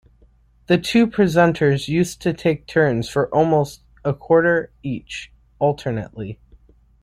The two presenters used to take turns for almost a quarter each, alternately.